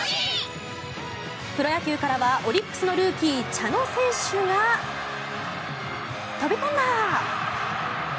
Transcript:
プロ野球からはオリックスのルーキー茶野選手が飛び込んだ！